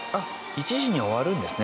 １時に終わるんですね